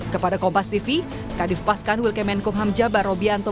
kepada kompas tv kadif paskan wilkemenkumham jabar robianto